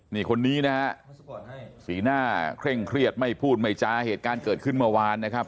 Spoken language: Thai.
นี่คนนี้นะฮะสีหน้าเคร่งเครียดไม่พูดไม่จาเหตุการณ์เกิดขึ้นเมื่อวานนะครับ